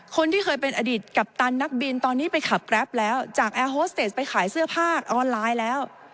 คนที่เคยเป็นอดีตกัปตันนักบินตอนนี้ไปขับแกรปแล้วจากแอร์โฮสเตสไปขายเสื้อผ้าออนไลน์แล้ว